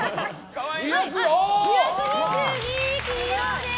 ２２２ｋｇです！